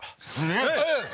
えっ？